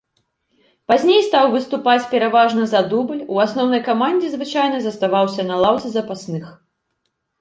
Пазней стаў выступаць пераважна за дубль, у асноўнай камандзе звычайна заставаўся на лаўцы запасных.